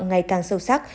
ngày càng sâu sắc